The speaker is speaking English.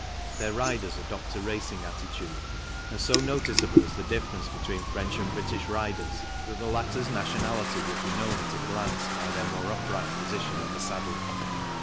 Their riders adopt a racing attitude, and so noticeable is the difference between French and British riders that the latter's nationality would be known at a glance by their more upright position in the saddle.